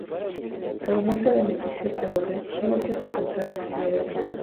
Al momento de emitirse esta orden, Murcia se encontraba en la ciudad de Panamá.